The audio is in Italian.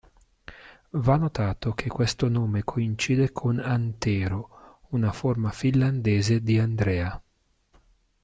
Va notato che questo nome coincide con "Antero", una forma finlandese di Andrea.